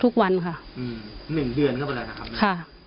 ๑เดือนก็ป่าวแล้วนะครับ